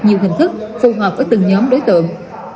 nhiều hình thức phù hợp với từng nhóm đối tượng